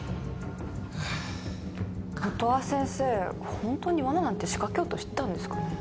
本当にワナなんて仕掛けようとしてたんですかね？